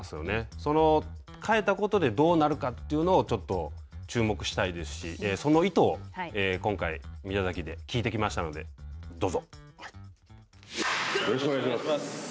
その変えたことでどうなるかというのをちょっと注目したいですし、その意図を今回宮崎で聞いてきましたので、どうぞ。